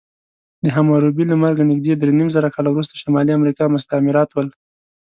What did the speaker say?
د حموربي له مرګه نږدې درېنیمزره کاله وروسته شمالي امریکا مستعمرات ول.